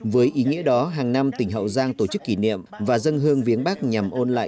với ý nghĩa đó hàng năm tỉnh hậu giang tổ chức kỷ niệm và dân hương viếng bắc nhằm ôn lại